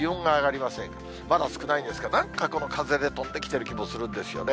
まだ少ないですが、なんかこの風で飛んできている気もするんですよね。